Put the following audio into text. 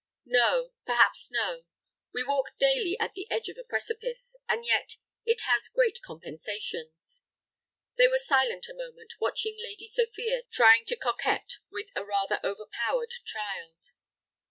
"No, perhaps no. We walk daily at the edge of a precipice. And yet it has great compensations." They were silent a moment, watching Lady Sophia trying to coquet with a rather overpowered child.